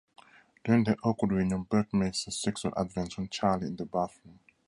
During their awkward reunion, Buck makes a sexual advance on Charlie in the bathroom.